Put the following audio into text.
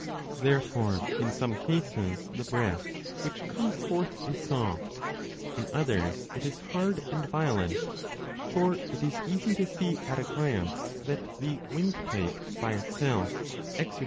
Therefore in some cases the breath which comes forth is soft, in others it is hard and violent ; for it is easy to see at a glance that the windpipe by itself exercises 1 8o3 a i.